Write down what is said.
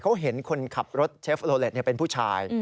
เขาเห็นคนขับรถเชฟโลเล็ตเป็นผู้ชาย